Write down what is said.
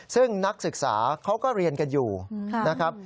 ซึ่งนักศึกษาเขาก็เรียนกันอยู่นะครับ